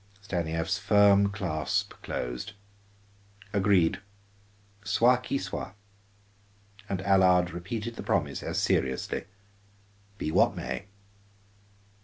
Stanief's firm clasp closed. "Agreed. Soit que soit." And Allard repeated the promise as seriously: "Be what may."